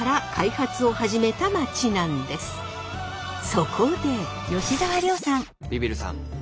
そこで。